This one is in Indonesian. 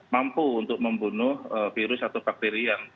mampu untuk membunuh virus atau bakteri yang